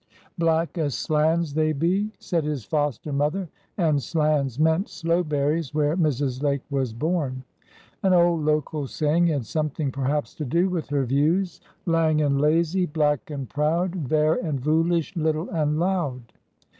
"Black as slans they be," said his foster mother. And slans meant sloe berries where Mrs. Lake was born. An old local saying had something perhaps to do with her views:— "Lang and lazy, Black and proud; Vair and voolish, Little and loud."